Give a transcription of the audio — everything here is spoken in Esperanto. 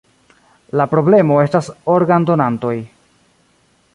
La problemo estas organdonantoj.